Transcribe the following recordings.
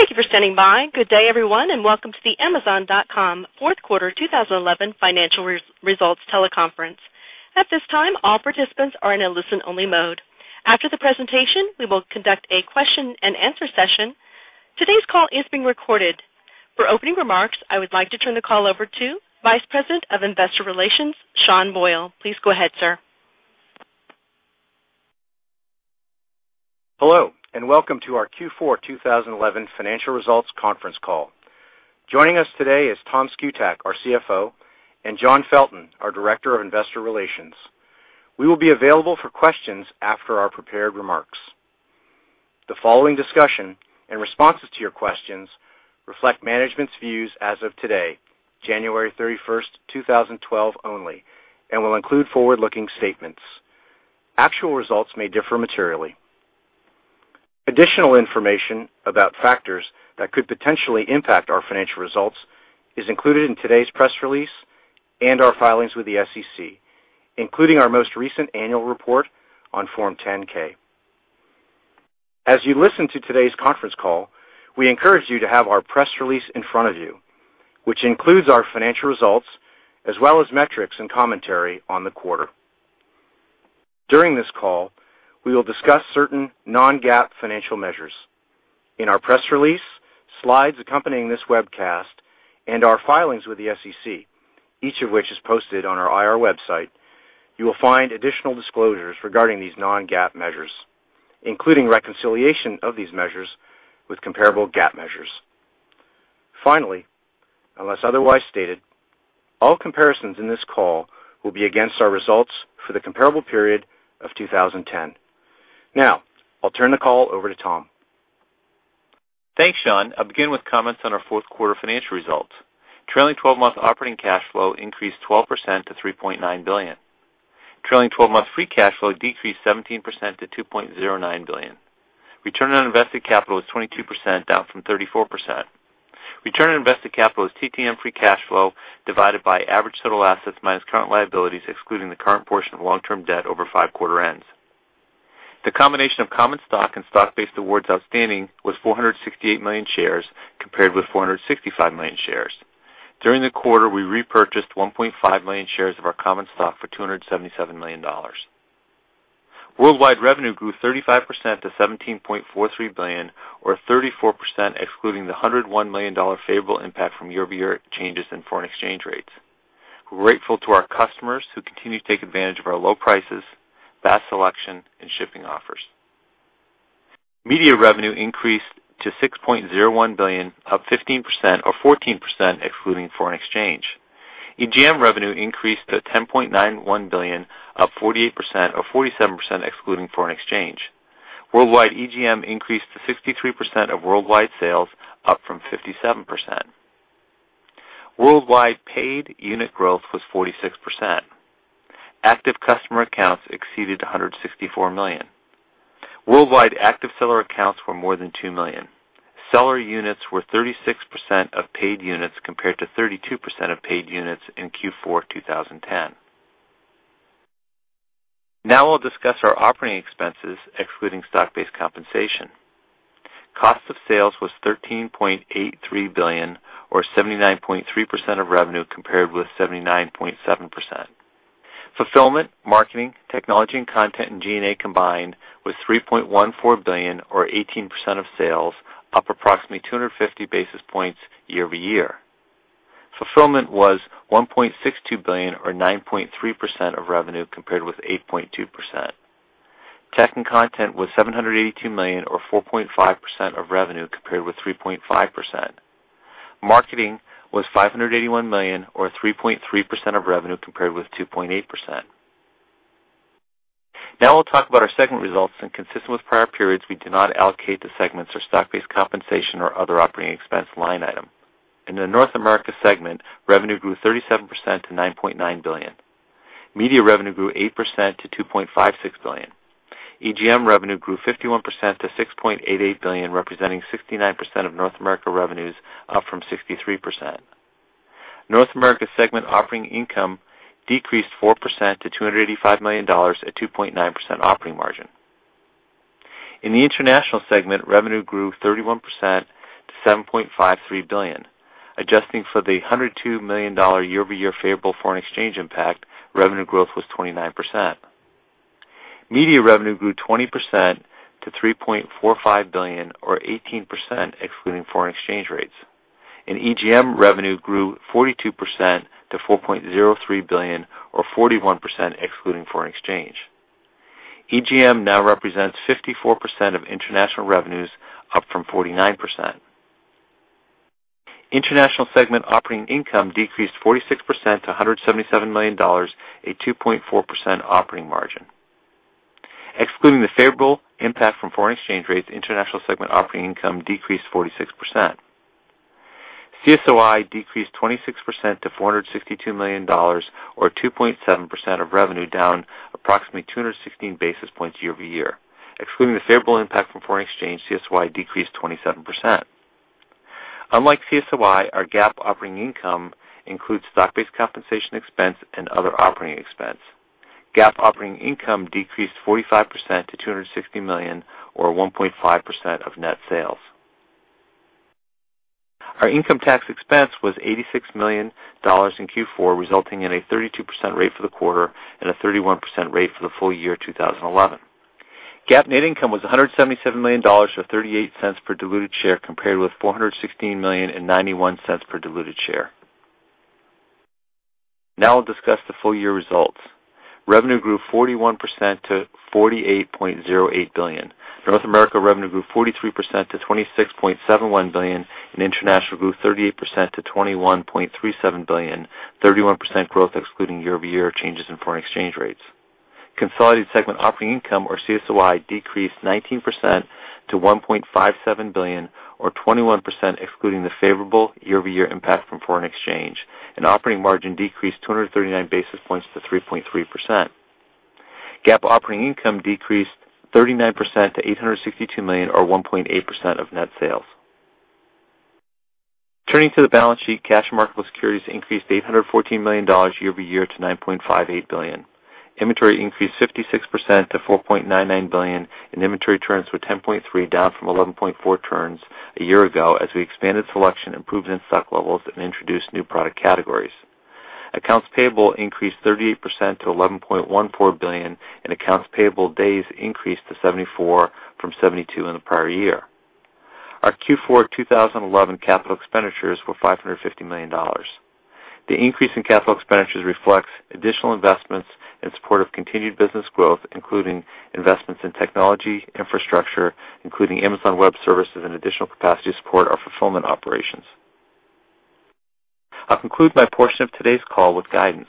Thank you for standing by. Good day, everyone, and welcome to the Amazon.com Fourth Quarter 2011 Financial Results Teleconference. At this time, all participants are in a listen-only mode. After the presentation, we will conduct a question and answer session. Today's call is being recorded. For opening remarks, I would like to turn the call over to Vice President of Investor Relations, Sean Boyle. Please go ahead, sir. Hello, and welcome to our Q4 2011 Financial Results Conference call. Joining us today is Tom Szkutak, our CFO, and John Felton, our Director of Investor Relations. We will be available for questions after our prepared remarks. The following discussion and responses to your questions reflect management's views as of today, January 31st, 2012 only, and will include forward-looking statements. Actual results may differ materially. Additional information about factors that could potentially impact our financial results is included in today's press release and our filings with the SEC, including our most recent annual report on Form 10-K. As you listen to today's conference call, we encourage you to have our press release in front of you, which includes our financial results as well as metrics and commentary on the quarter. During this call, we will discuss certain non-GAAP financial measures. In our press release, slides accompanying this webcast, and our filings with the SEC, each of which is posted on our IR website, you will find additional disclosures regarding these non-GAAP measures, including reconciliation of these measures with comparable GAAP measures. Finally, unless otherwise stated, all comparisons in this call will be against our results for the comparable period of 2010. Now, I'll turn the call over to Tom. Thanks, Sean. I'll begin with comments on our Fourth Quarter financial results. Trailing 12-month operating cash flow increased 12% to $3.9 billion. Trailing 12-month free cash flow decreased 17% to $2.09 billion. Return on invested capital was 22%, down from 34%. Return on invested capital was TTM free cash flow divided by average total assets minus current liabilities, excluding the current portion of long-term debt over five quarter ends. The combination of common stock and stock-based awards outstanding was 468 million shares compared with 465 million shares. During the quarter, we repurchased 1.5 million shares of our common stock for $277 million. Worldwide revenue grew 35% to $17.43 billion, or 34%, excluding the $101 million favorable impact from year-over-year changes in foreign exchange rates. We're grateful to our customers who continue to take advantage of our low prices, vast selection, and shipping offers. Media revenue increased to $6.01 billion, up 15%, or 14%, excluding foreign exchange. EGM revenue increased to $10.91 billion, up 48%, or 47%, excluding foreign exchange. Worldwide EGM increased to 63% of worldwide sales, up from 57%. Worldwide paid unit growth was 46%. Active customer accounts exceeded 164 million. Worldwide active seller accounts were more than 2 million. Seller units were 36% of paid units compared to 32% of paid units in Q4 2010. Now I'll discuss our operating expenses, excluding stock-based compensation. Cost of sales was $13.83 billion, or 79.3% of revenue compared with 79.7%. Fulfillment, marketing, technology, and content in G&A combined was $3.14 billion, or 18% of sales, up approximately 250 basis points year-over-year. Fulfillment was $1.62 billion, or 9.3% of revenue compared with 8.2%. Tech and content was $782 million, or 4.5% of revenue compared with 3.5%. Marketing was $581 million, or 3.3% of revenue compared with 2.8%. Now I'll talk about our segment results, and consistent with prior periods, we do not allocate the segments or stock-based compensation or other operating expense line item. In the North America segment, revenue grew 37% to $9.9 billion. Media revenue grew 8% to $2.56 billion. EGM revenue grew 51% to $6.88 billion, representing 69% of North America revenues, up from 63%. North America segment operating income decreased 4% to $285 million at 2.9% operating margin. In the international segment, revenue grew 31% to $7.53 billion. Adjusting for the $102 million year-over-year favorable foreign exchange impact, revenue growth was 29%. Media revenue grew 20% to $3.45 billion, or 18%, excluding foreign exchange rates. In EGM, revenue grew 42% to $4.03 billion, or 41%, excluding foreign exchange. EGM now represents 54% of international revenues, up from 49%. International segment operating income decreased 46% to $177 million, a 2.4% operating margin. Excluding the favorable impact from foreign exchange rates, international segment operating income decreased 46%. CSOI decreased 26% to $462 million, or 2.7% of revenue, down approximately 216 basis points year-over-year. Excluding the favorable impact from foreign exchange, CSOI decreased 27%. Unlike CSOI, our GAAP operating income includes stock-based compensation expense and other operating expense. GAAP operating income decreased 45% to $260 million, or 1.5% of net sales. Our income tax expense was $86 million in Q4, resulting in a 32% rate for the quarter and a 31% rate for the full year 2011. GAAP net income was $177 million with $0.38 per diluted share, compared with $416 million and $0.91 per diluted share. Now I'll discuss the full year results. Revenue grew 41% to $48.08 billion. North America revenue grew 43% to $26.71 billion, and international grew 38% to $21.37 billion, 31% growth excluding year-over-year changes in foreign exchange rates. Consolidated segment operating income, or CSOI, decreased 19% to $1.57 billion, or 21%, excluding the favorable year-over-year impact from foreign exchange. Operating margin decreased 239 basis points to 3.3%. GAAP operating income decreased 39% to $862 million, or 1.8% of net sales. Turning to the balance sheet, cash and marketable securities increased $814 million year-over-year to $9.58 billion. Inventory increased 56% to $4.99 billion, and inventory turns were 10.3, down from 11.4 turns a year ago as we expanded selection, improved in stock levels, and introduced new product categories. Accounts payable increased 38% to $11.14 billion, and accounts payable days increased to 74 from 72 in the prior year. Our Q4 2011 capital expenditures were $550 million. The increase in capital expenditures reflects additional investments in support of continued business growth, including investments in technology, infrastructure, including Amazon Web Services, and additional capacity to support our fulfillment operations. I'll conclude my portion of today's call with guidance.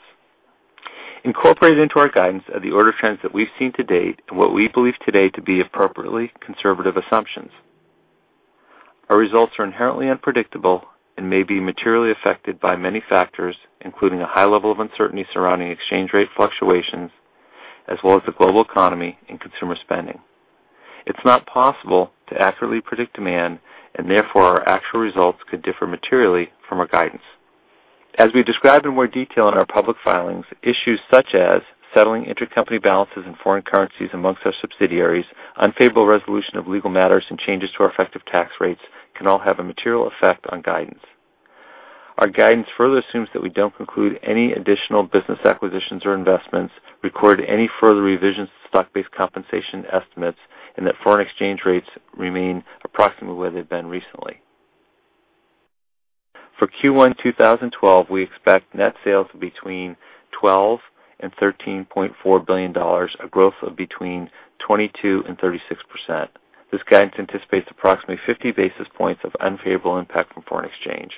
Incorporated into our guidance are the order of trends that we've seen to date and what we believe today to be appropriately conservative assumptions. Our results are inherently unpredictable and may be materially affected by many factors, including a high level of uncertainty surrounding exchange rate fluctuations, as well as the global economy and consumer spending. It's not possible to accurately predict demand, and therefore our actual results could differ materially from our guidance. As we describe in more detail in our public filings, issues such as settling intercompany balances and foreign currencies amongst our subsidiaries, unfavorable resolution of legal matters, and changes to our effective tax rates can all have a material effect on guidance. Our guidance further assumes that we don't conclude any additional business acquisitions or investments, record any further revisions to stock-based compensation estimates, and that foreign exchange rates remain approximately where they've been recently. For Q1 2012, we expect net sales of between $12 billion and $13.4 billion, a growth of between 22% and 36%. This guidance anticipates approximately 50 basis points of unfavorable impact from foreign exchange.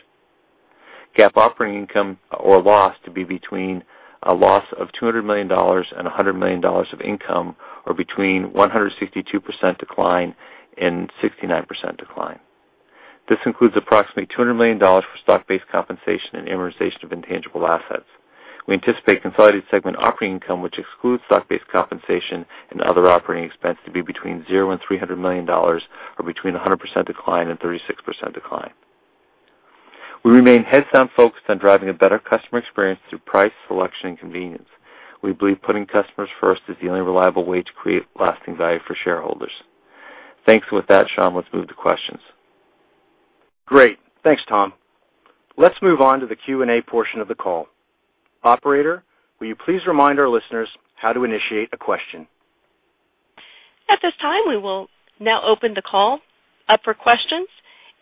GAAP operating income or loss to be between a loss of $200 million and $100 million of income, or between a 162% decline and a 69% decline. This includes approximately $200 million for stock-based compensation and amortization of intangible assets. We anticipate consolidated segment operating income, which excludes stock-based compensation and other operating expense, to be between $0 and $300 million, or between a 100% decline and a 36% decline. We remain heads-down focused on driving a better customer experience through price, selection, and convenience. We believe putting customers first is the only reliable way to create lasting value for shareholders. Thanks. With that, Sean, let's move to questions. Great. Thanks, Tom. Let's move on to the Q&A portion of the call. Operator, will you please remind our listeners how to initiate a question? At this time, we will now open the call up for questions.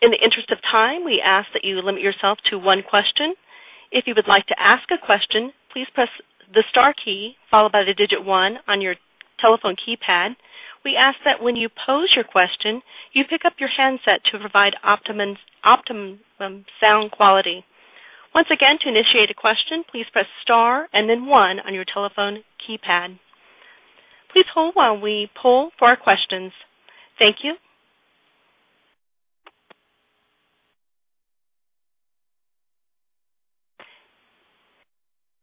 In the interest of time, we ask that you limit yourself to one question. If you would like to ask a question, please press the star key followed by the digit one on your telephone keypad. We ask that when you pose your question, you pick up your handset to provide optimum sound quality. Once again, to initiate a question, please press star and then one on your telephone keypad. Please hold while we pull for our questions. Thank you.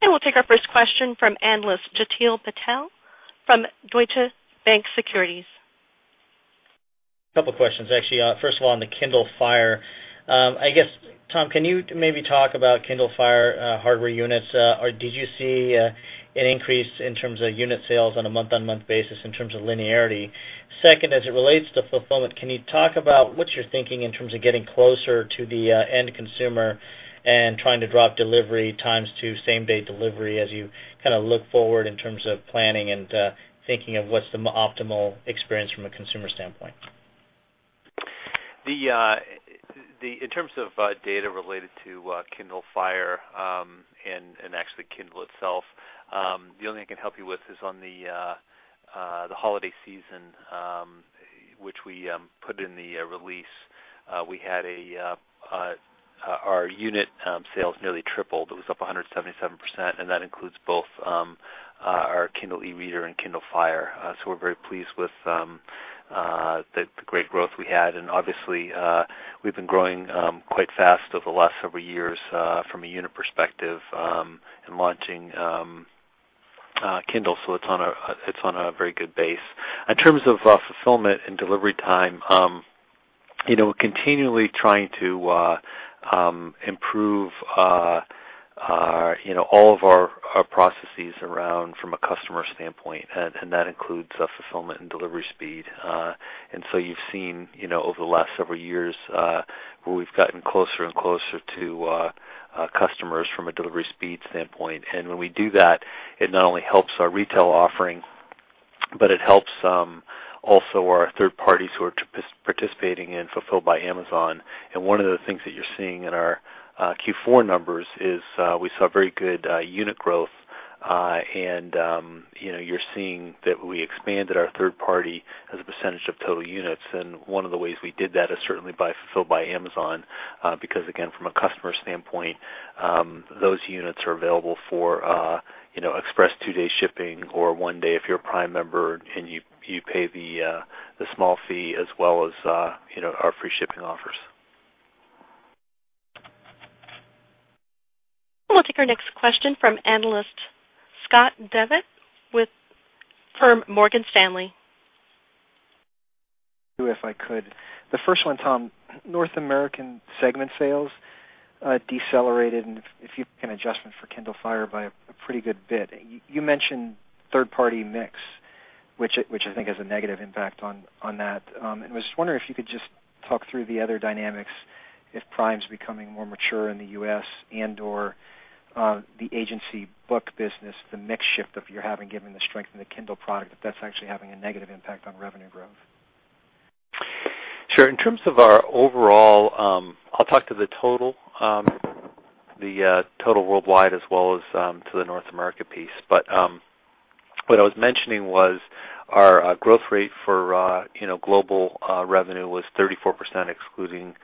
We'll take our first question from analyst Jateel Patel from Deutsche Bank Securities. A couple of questions, actually. First of all, on the Kindle Fire, I guess, Tom, can you maybe talk about Kindle Fire hardware units? Did you see an increase in terms of unit sales on a month-on-month basis in terms of linearity? Second, as it relates to fulfillment, can you talk about what you're thinking in terms of getting closer to the end consumer and trying to drop delivery times to same-day delivery as you kind of look forward in terms of planning and thinking of what's the optimal experience from a consumer standpoint? In terms of data related to Kindle Fire and actually Kindle itself, the only thing I can help you with is on the holiday season, which we put in the release. We had our unit sales nearly tripled. It was up 177%, and that includes both our Kindle eReader and Kindle Fire. We're very pleased with the great growth we had. Obviously, we've been growing quite fast over the last several years from a unit perspective and launching Kindle. It's on a very good base. In terms of fulfillment and delivery time, we're continually trying to improve all of our processes around from a customer standpoint, and that includes fulfillment and delivery speed. You've seen over the last several years, we've gotten closer and closer to customers from a delivery speed standpoint. When we do that, it not only helps our retail offering, it helps also our third parties who are participating in Fulfilled by Amazon. One of the things that you're seeing in our Q4 numbers is we saw very good unit growth, and you're seeing that we expanded our third party as a percentage of total units. One of the ways we did that is certainly by Fulfilled by Amazon, because again, from a customer standpoint, those units are available for express two-day shipping or one day if you're a Prime member and you pay the small fee, as well as our free shipping offers. We'll take our next question from analyst Scott Devitt with Morgan Stanley. If I could, the first one, Tom, North America segment sales decelerated, and if you can adjust for Kindle Fire by a pretty good bit. You mentioned third-party mix, which I think has a negative impact on that. I was just wondering if you could just talk through the other dynamics, if Prime's becoming more mature in the U.S. and/or the agency book business, the mix shift that you're having given the strength in the Kindle product, if that's actually having a negative impact on revenue growth. Sure. In terms of our overall, I'll talk to the total, the total worldwide, as well as to the North America piece. What I was mentioning was our growth rate for global revenue was 34%, excluding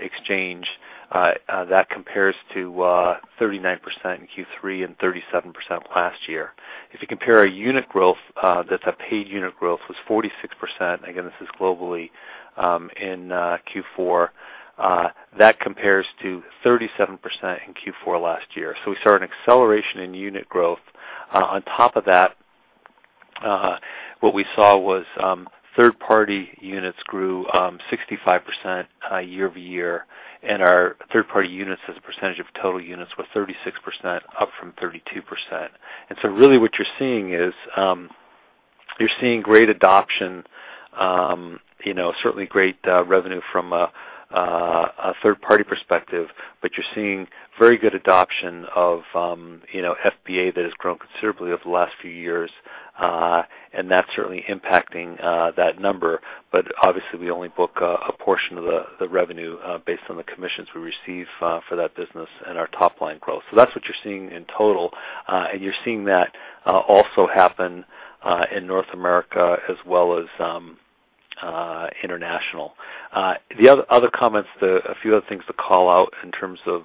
exchange. That compares to 39% in Q3 and 37% last year. If you compare our unit growth, that's our paid unit growth, it was 46%. Again, this is globally in Q4. That compares to 37% in Q4 last year. We saw an acceleration in unit growth. On top of that, what we saw was third-party units grew 65% year-over-year, and our third-party units as a percentage of total units was 36%, up from 32%. What you're seeing is great adoption, certainly great revenue from a third-party perspective, and very good adoption of FBA that has grown considerably over the last few years. That's certainly impacting that number. Obviously, we only book a portion of the revenue based on the commissions we receive for that business and our top-line growth. That's what you're seeing in total, and you're seeing that also happen in North America as well as international. A few other things to call out in terms of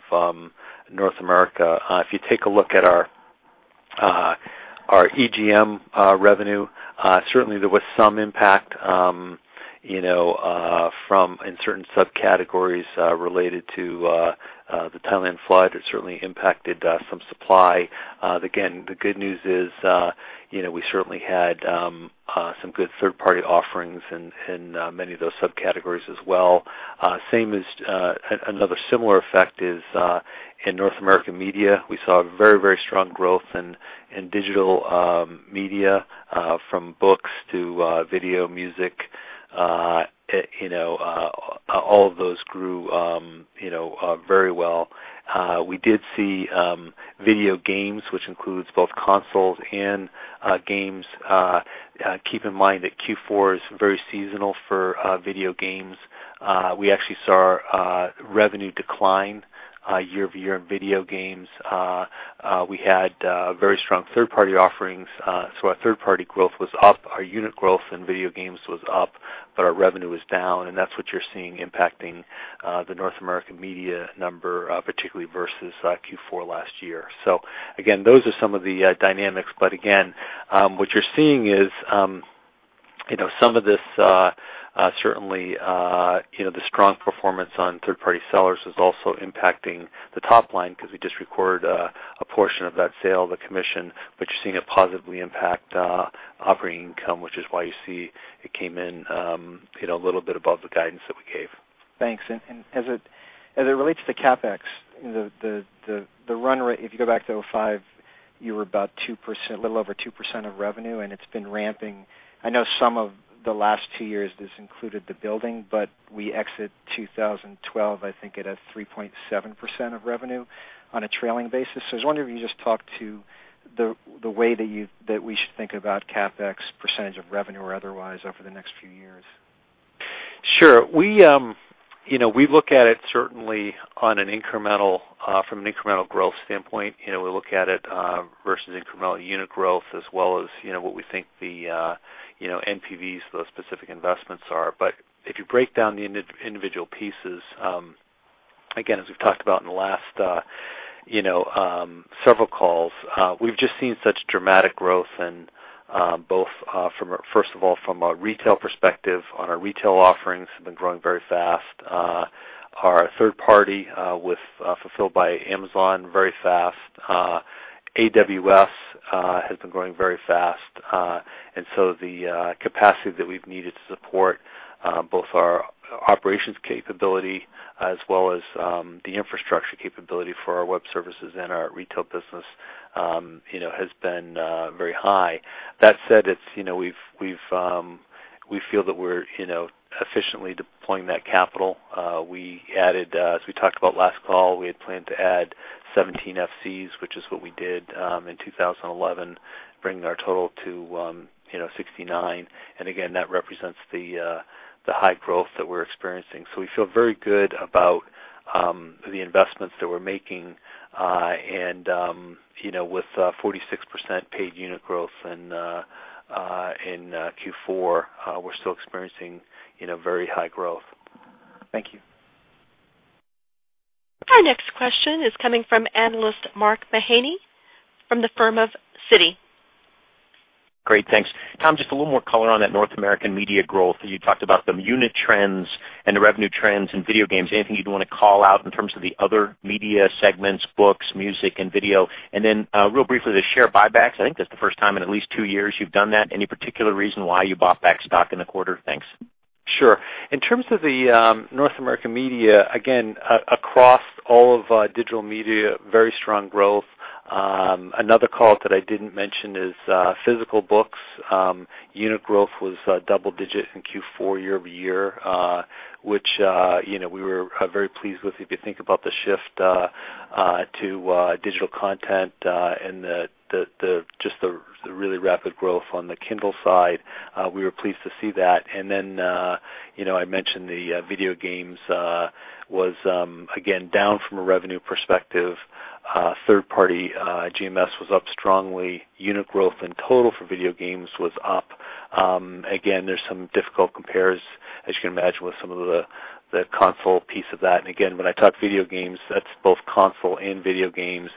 North America: if you take a look at our EGM revenue, there was some impact in certain subcategories related to the Thailand flood. It certainly impacted some supply. The good news is we certainly had some good third-party offerings in many of those subcategories as well. Another similar effect is in North American media. We saw very, very strong growth in digital media, from books to video, music. All of those grew very well. We did see video games, which includes both consoles and games. Keep in mind that Q4 is very seasonal for video games. We actually saw revenue decline year-over-year in video games. We had very strong third-party offerings. Our third-party growth was up, our unit growth in video games was up, but our revenue was down. That's what you're seeing impacting the North American media number, particularly versus Q4 last year. These are some of the dynamics. What you're seeing is the strong performance on third-party sellers was also impacting the top line because we just recorded a portion of that sale as a commission. You're seeing a positive impact on operating income, which is why you see it came in a little bit above the guidance that we gave. Thanks. As it relates to CapEx, you know the run rate, if you go back to 2005, you were about 2%, a little over 2% of revenue, and it's been ramping. I know some of the last two years, this included the building, but we exit 2012, I think, at a 3.7% of revenue on a trailing basis. I was wondering if you could just talk to the way that we should think about CapEx percentage of revenue or otherwise over the next few years. Sure. We look at it certainly from an incremental growth standpoint. We look at it versus incremental unit growth, as well as what we think the NPVs, those specific investments are. If you break down the individual pieces, again, as we've talked about in the last several calls, we've just seen such dramatic growth in both, first of all, from a retail perspective. Our retail offerings have been growing very fast. Our third-party with Fulfilled by Amazon very fast. AWS has been growing very fast. The capacity that we've needed to support both our operations capability as well as the infrastructure capability for our web services and our retail business has been very high. That said, we feel that we're efficiently deploying that capital. We added, as we talked about last call, we had planned to add 17 FCs, which is what we did in 2011, bringing our total to 69. That represents the high growth that we're experiencing. We feel very good about the investments that we're making. With 46% paid unit growth in Q4, we're still experiencing very high growth. Thank you. Our next question is coming from analyst Mark Mahaney from the firm of Citi. Great. Thanks. Tom, just a little more color on that North America media growth. You talked about some unit trends and revenue trends in video games. Anything you'd want to call out in terms of the other media segments, books, music, and video? Real briefly, the share buybacks, I think that's the first time in at least two years you've done that. Any particular reason why you bought back stock in the quarter? Thanks. Sure. In terms of the North America media, again, across all of digital media, very strong growth. Another call that I didn't mention is physical books. Unit growth was double-digit in Q4 year-over-year, which we were very pleased with. If you think about the shift to digital content and just the really rapid growth on the Kindle side, we were pleased to see that. I mentioned the video games was, again, down from a revenue perspective. Third-party GMS was up strongly. Unit growth in total for video games was up. There are some difficult comparisons, as you can imagine, with some of the console piece of that. When I talk video games, that's both console and video games.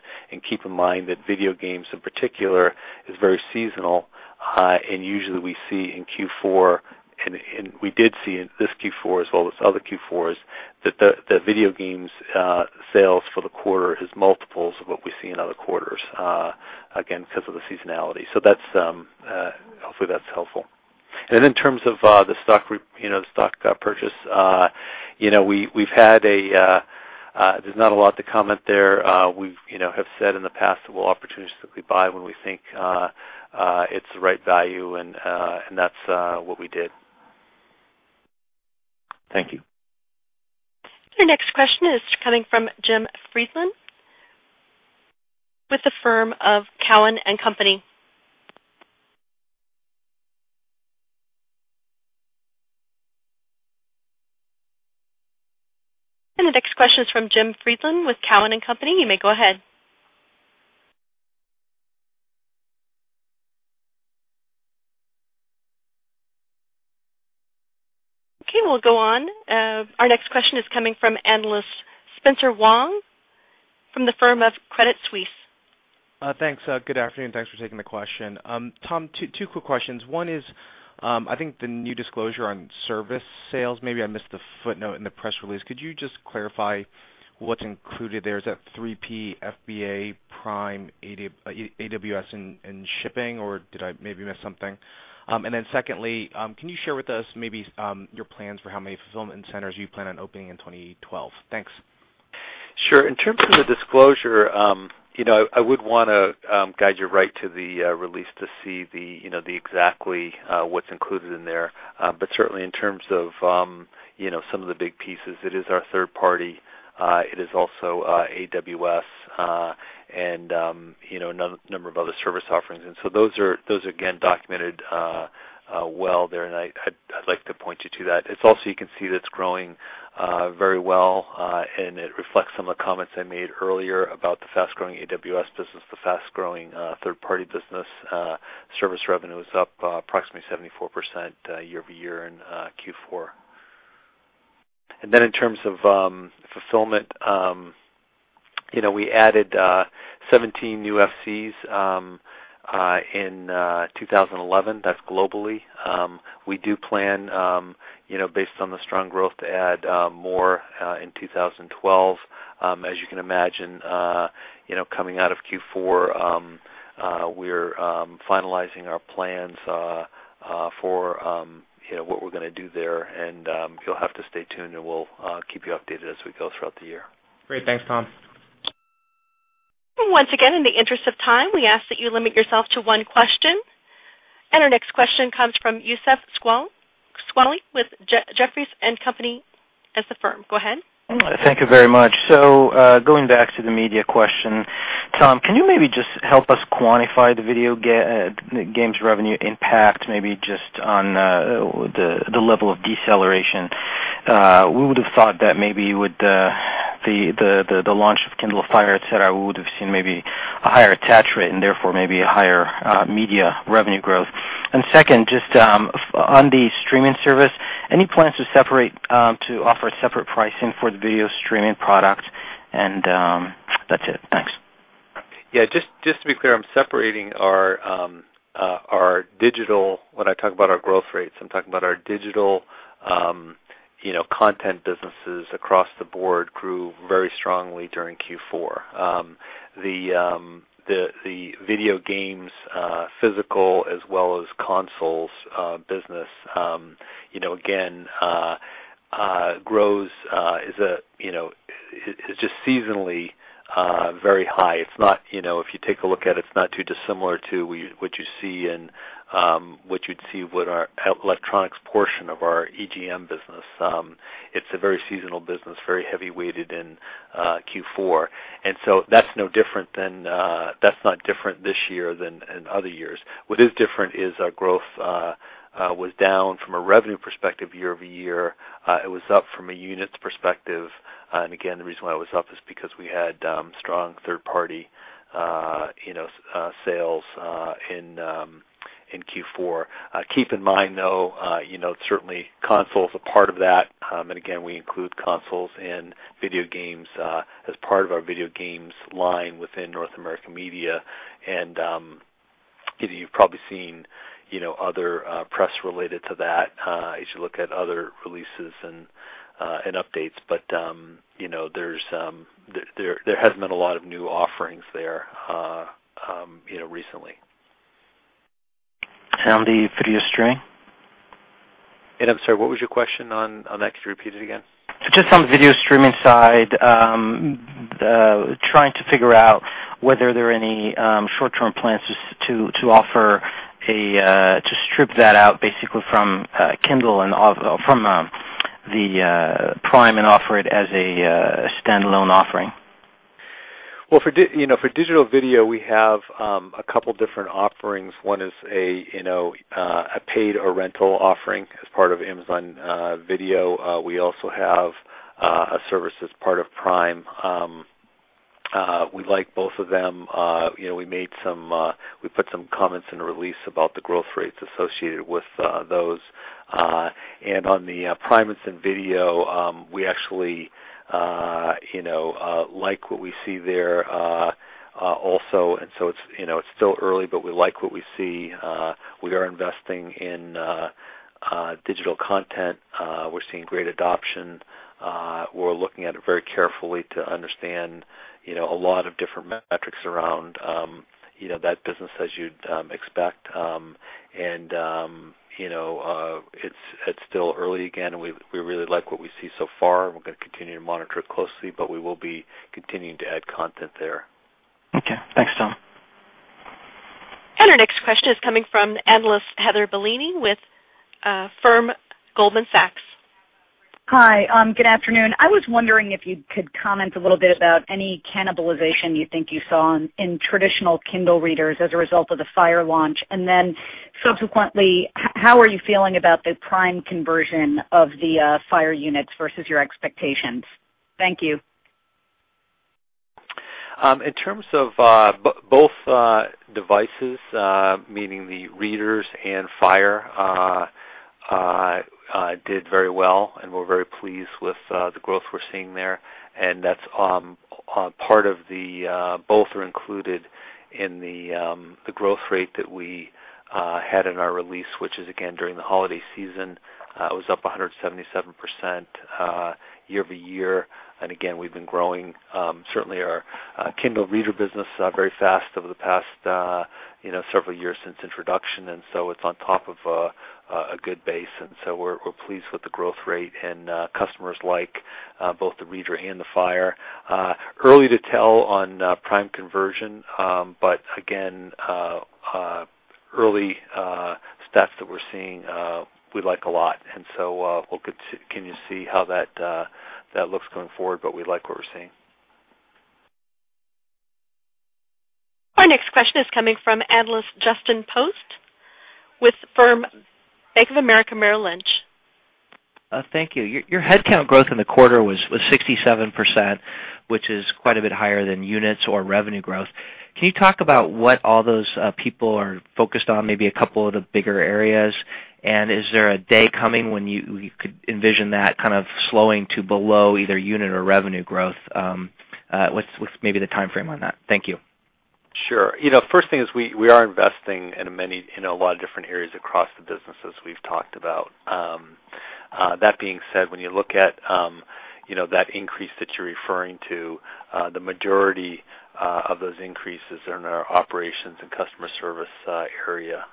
Keep in mind that video games in particular are very seasonal. Usually we see in Q4, and we did see in this Q4 as well as other Q4s, that the video games sales for the quarter are multiples of what we see in other quarters, again, because of the seasonality. Hopefully, that's helpful. In terms of the stock purchase, there's not a lot to comment there. We have said in the past that we'll opportunistically buy when we think it's the right value, and that's what we did. Thank you. Our next question is coming from Jim Friedland with the firm of Cowen & Company. The next question is from Jim Friedland with Cowen & Company. You may go ahead. Our next question is coming from analyst Spencer Wang from the firm of Credit Suisse. Thanks. Good afternoon. Thanks for taking the question. Tom, two quick questions. One is, I think the new disclosure on service sales, maybe I missed the footnote in the press release. Could you just clarify what's included there? Is that 3P, FBA, Prime, AWS, and shipping, or did I maybe miss something? Secondly, can you share with us maybe your plans for how many fulfillment centers you plan on opening in 2012? Thanks. Sure. In terms of the disclosure, I would want to guide you right to the release to see exactly what's included in there. Certainly, in terms of some of the big pieces, it is our third-party. It is also AWS and a number of other service offerings. Those are, again, documented well there, and I'd like to point you to that. You can see that it's growing very well, and it reflects some of the comments I made earlier about the fast-growing AWS business, the fast-growing third-party business. Service revenue is up approximately 74% year-over-year in Q4. In terms of fulfillment, we added 17 new FCs in 2011. That's globally. We do plan, based on the strong growth, to add more in 2012. As you can imagine, coming out of Q4, we're finalizing our plans for what we're going to do there. You'll have to stay tuned, and we'll keep you updated as we go throughout the year. Great, thanks, Tom. Once again, in the interest of time, we ask that you limit yourself to one question. Our next question comes from Youssef Squali with Jefferies & Company. Go ahead. Thank you very much. Going back to the media question, Tom, can you maybe just help us quantify the video games revenue impact, maybe just on the level of deceleration? We would have thought that maybe with the launch of Kindle Fire, etc., we would have seen maybe a higher attach rate, therefore maybe a higher media revenue growth. Second, just on the streaming service, any plans to offer a separate pricing for the video streaming product? That's it. Thanks. Yeah. Just to be clear, I'm separating our digital. When I talk about our growth rates, I'm talking about our digital content businesses across the board grew very strongly during Q4. The video games physical as well as consoles business, again, is just seasonally very high. If you take a look at it, it's not too dissimilar to what you'd see with our electronics portion of our EGM business. It's a very seasonal business, very heavy weighted in Q4. That's not different this year than in other years. What is different is our growth was down from a revenue perspective year-over-year. It was up from a units perspective. The reason why it was up is because we had strong third-party sales in Q4. Keep in mind, though, certainly consoles are part of that. We include consoles in video games as part of our video games line within North American media. You've probably seen other press related to that as you look at other releases and updates. There hasn't been a lot of new offerings there recently. On the video stream? I'm sorry, what was your question on that? Could you repeat it again? On the video streaming side, trying to figure out whether there are any short-term plans to strip that out from Kindle and from Prime and offer it as a standalone offering. For digital video, we have a couple of different offerings. One is a paid or rental offering as part of Amazon Video. We also have a service as part of Prime. We like both of them. We put some comments in the release about the growth rates associated with those. On the Prime and Video, we actually like what we see there also. It's still early, but we like what we see. We are investing in digital content. We're seeing great adoption. We're looking at it very carefully to understand a lot of different metrics around that business as you'd expect. It's still early again. We really like what we see so far, and we're going to continue to monitor it closely, but we will be continuing to add content there. Okay, thanks, Tom. Our next question is coming from analyst Heather Bellini with Goldman Sachs. Hi. Good afternoon. I was wondering if you could comment a little bit about any cannibalization you think you saw in traditional Kindle readers as a result of the Fire launch. Subsequently, how are you feeling about the Prime conversion of the Fire units versus your expectations? Thank you. In terms of both devices, meaning the readers and Fire did very well, and we're very pleased with the growth we're seeing there. Both are included in the growth rate that we had in our release, which is, again, during the holiday season. It was up 177% year-over-year. We've been growing. Certainly, our Kindle reader business is very fast over the past several years since introduction, and it's on top of a good base. We're pleased with the growth rate, and customers like both the reader and the Fire. Early to tell on Prime conversion, but early stats that we're seeing, we like a lot. We'll continue to see how that looks going forward, but we like what we're seeing. Our next question is coming from analyst Justin Post with Bank of America Merrill Lynch. Thank you. Your headcount growth in the quarter was 67%, which is quite a bit higher than units or revenue growth. Can you talk about what all those people are focused on, maybe a couple of the bigger areas? Is there a day coming when you could envision that kind of slowing to below either unit or revenue growth? What's maybe the timeframe on that? Thank you. Sure. The first thing is we are investing in a lot of different areas across the businesses we've talked about. That being said, when you look at that increase that you're referring to, the majority of those increases are in our operations and customer service area.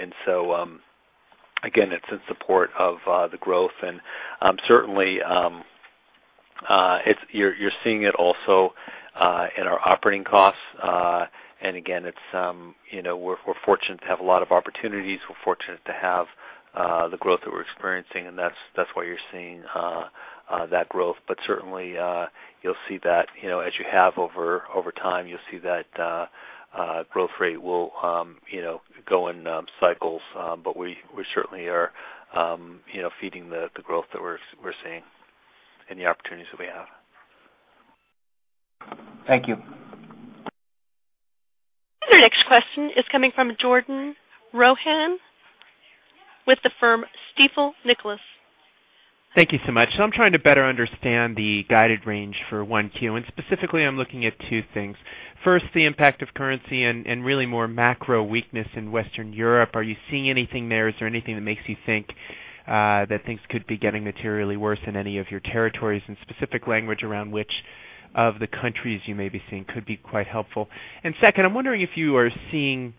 It is in support of the growth. Certainly, you're seeing it also in our operating costs. We're fortunate to have a lot of opportunities. We're fortunate to have the growth that we're experiencing, and that's why you're seeing that growth. You'll see that as you have over time, you'll see that growth rate will go in cycles. We certainly are feeding the growth that we're seeing and the opportunities that we have. Thank you. Our next question is coming from Jordan Rohan with the firm Stifel Nicolaus. Thank you so much. I'm trying to better understand the guided range for Q1. Specifically, I'm looking at two things. First, the impact of currency and really more macro weakness in Western Europe. Are you seeing anything there? Is there anything that makes you think that things could be getting materially worse in any of your territories? Specific language around which of the countries you may be seeing could be quite helpful. Second, I'm wondering if you are seeing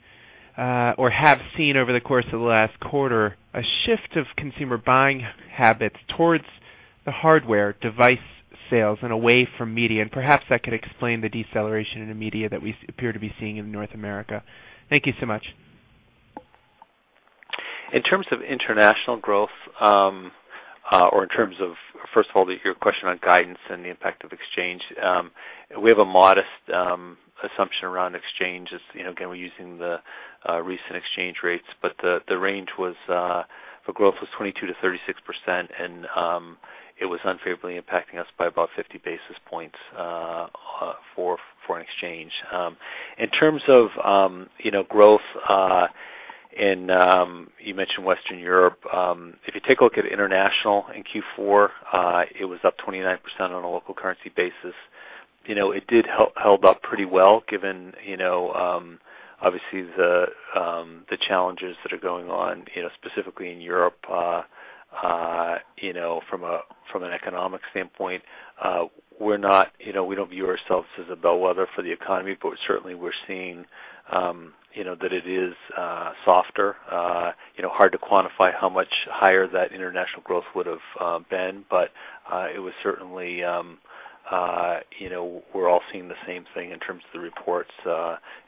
or have seen over the course of the last quarter a shift of consumer buying habits towards the hardware device sales and away from media. Perhaps that could explain the deceleration in the media that we appear to be seeing in North America. Thank you so much. In terms of international growth or in terms of, first of all, your question on guidance and the impact of exchange, we have a modest assumption around exchanges. Again, we're using the recent exchange rates, but the range for growth was 22% to 36%, and it was unfavorably impacting us by about 50 basis points for an exchange. In terms of growth in, you mentioned Western Europe, if you take a look at international in Q4, it was up 29% on a local currency basis. It did hold up pretty well, given obviously the challenges that are going on specifically in Europe from an economic standpoint. We don't view ourselves as a bellwether for the economy, but certainly we're seeing that it is softer. Hard to quantify how much higher that international growth would have been, but certainly we're all seeing the same thing in terms of the reports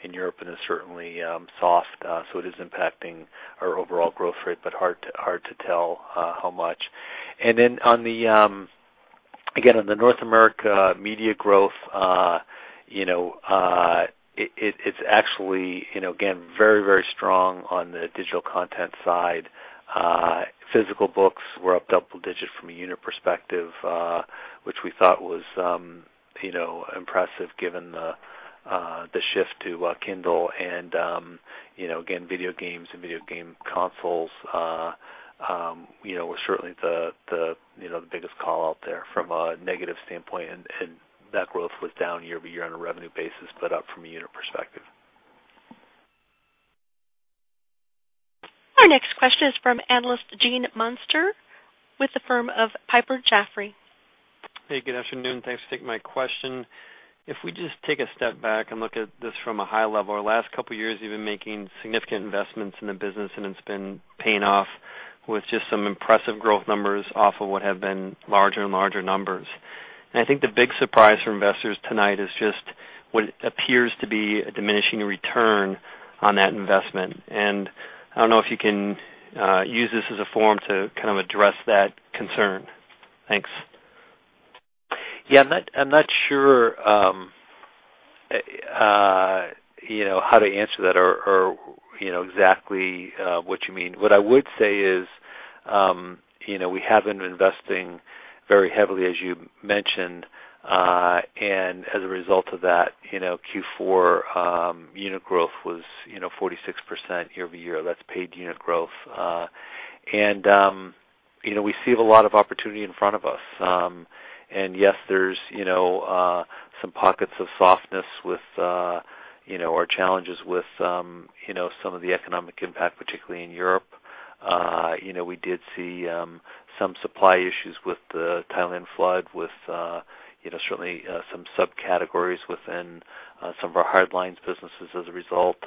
in Europe, and it's certainly soft. It is impacting our overall growth rate, but hard to tell how much. Again, on the North America media growth, it's actually, again, very, very strong on the digital content side. Physical books were up double-digit from a unit perspective, which we thought was impressive given the shift to Kindle. Again, video games and video game consoles were certainly the biggest call out there from a negative standpoint, and that growth was down year-over-year on a revenue basis, but up from a unit perspective. Our next question is from analyst Gene Munster with the firm of Piper Jaffray. Hey, good afternoon. Thanks for taking my question. If we just take a step back and look at this from a high level, our last couple of years we've been making significant investments in the business, and it's been paying off with just some impressive growth numbers off of what have been larger and larger numbers. I think the big surprise for investors tonight is just what appears to be a diminishing return on that investment. I don't know if you can use this as a forum to kind of address that concern. Thanks. I'm not sure how to answer that or exactly what you mean. What I would say is we have been investing very heavily, as you mentioned. As a result of that, Q4 unit growth was 46% year-over-year. That's paid unit growth. We see a lot of opportunity in front of us. Yes, there's some pockets of softness with our challenges with some of the economic impact, particularly in Europe. We did see some supply issues with the Thailand flood, with certainly some subcategories within some of our hard lines businesses as a result.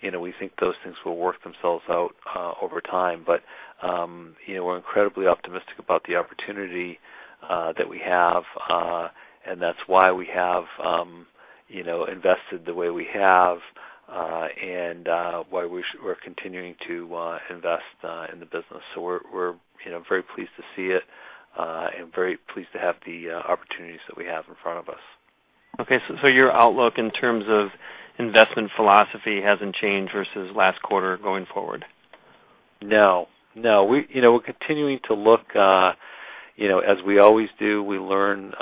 We think those things will work themselves out over time. We're incredibly optimistic about the opportunity that we have, which is why we have invested the way we have and why we're continuing to invest in the business. We're very pleased to see it and very pleased to have the opportunities that we have in front of us. Okay. Your outlook in terms of investment philosophy hasn't changed versus last quarter going forward? No. No. We're continuing to look, as we always do. We learn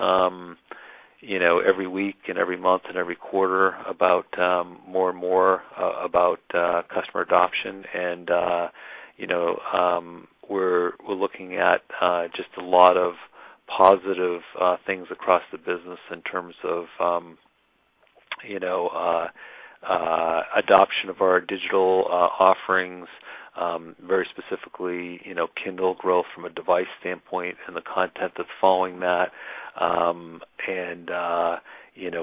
every week and every month and every quarter more and more about customer adoption. We're looking at just a lot of positive things across the business in terms of adoption of our digital offerings, very specifically Kindle growth from a device standpoint and the content that's following that.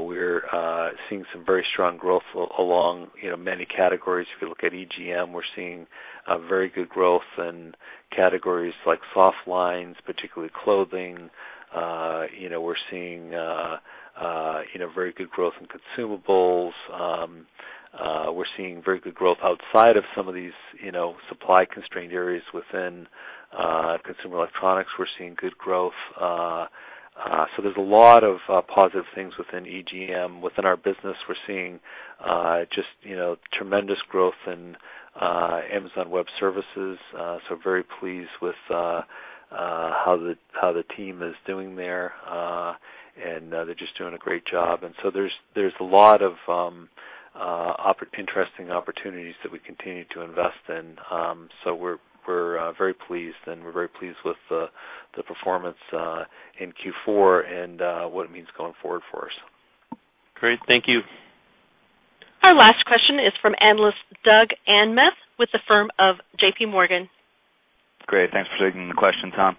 We're seeing some very strong growth along many categories. If you look at EGM, we're seeing very good growth in categories like soft lines, particularly clothing. We're seeing very good growth in consumables. We're seeing very good growth outside of some of these supply-constrained areas within consumer electronics. We're seeing good growth. There are a lot of positive things within EGM. Within our business, we're seeing just tremendous growth in Amazon Web Services. We're very pleased with how the team is doing there, and they're just doing a great job. There are a lot of interesting opportunities that we continue to invest in. We're very pleased, and we're very pleased with the performance in Q4 and what it means going forward for us. Great. Thank you. Our last question is from analyst Doug Anmuth with the firm of JPMorgan. Great. Thanks for taking the question, Tom.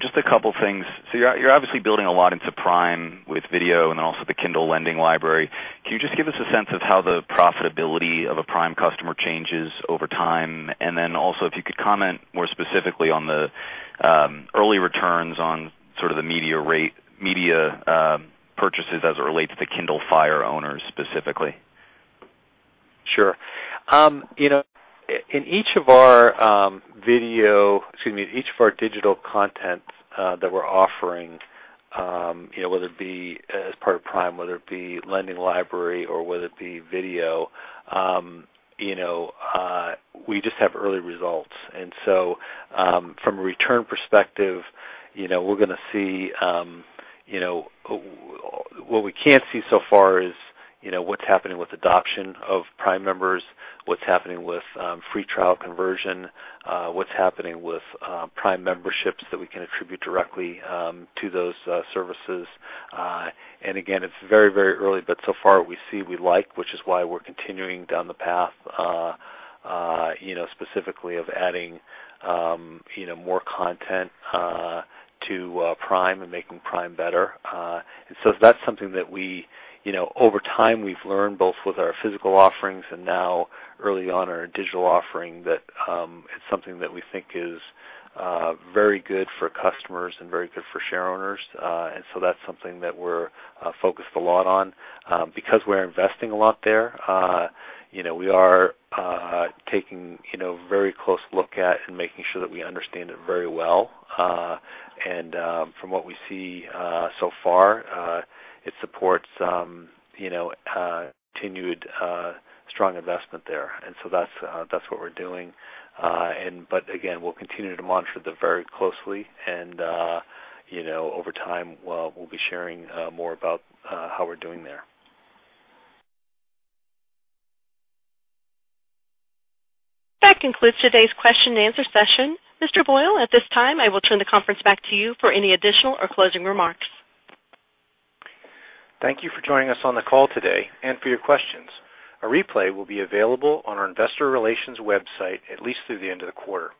Just a couple of things. You're obviously building a lot into Prime with video and also the Kindle lending library. Can you give us a sense of how the profitability of a Prime customer changes over time? If you could comment more specifically on the early returns on the media purchases as it relates to Kindle Fire owners specifically. In each of our digital content that we're offering, whether it be as part of Prime, whether it be Lending Library, or whether it be video, we just have early results. From a return perspective, what we can't see so far is what's happening with adoption of Prime members, what's happening with free trial conversion, what's happening with Prime memberships that we can attribute directly to those services. It is very, very early, but so far what we see, we like, which is why we're continuing down the path specifically of adding more content to Prime and making Prime better. Over time, we've learned both with our physical offerings and now early on our digital offering that it's something that we think is very good for customers and very good for share owners. That's something that we're focused a lot on because we're investing a lot there. We are taking a very close look at and making sure that we understand it very well. From what we see so far, it supports continued strong investment there. That's what we're doing. We'll continue to monitor that very closely. Over time, we'll be sharing more about how we're doing there. That concludes today's question and answer session. Mr. Boyle, at this time, I will turn the conference back to you for any additional or closing remarks. Thank you for joining us on the call today and for your questions. A replay will be available on our investor relations website at least through the end of the quarter.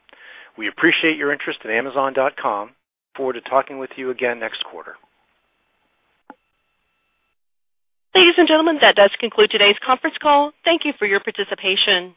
We appreciate your interest at Amazon.com. Looking forward to talking with you again next quarter. Ladies and gentlemen, that does conclude today's conference call. Thank you for your participation.